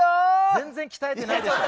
全然鍛えてないでしょ。